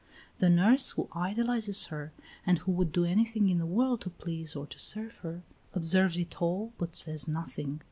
The nurse, who idolizes her, and who would do anything in the world to please or to serve her, observes it all but says nothing.